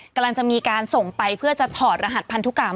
กำลังจะมีการส่งไปเพื่อจะถอดรหัสพันธุกรรม